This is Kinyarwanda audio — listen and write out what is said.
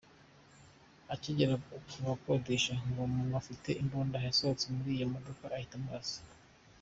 Akigera aho yakodeshaga, ngo umuntu ufite imbunda yasohotse muri iyo modoka ahita amurasa.